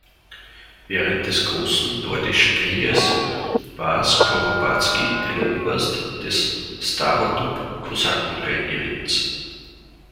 Während des Großen Nordischen Krieges war Skoropadskyj ein Oberst des Starodub-Kosaken-Regiments.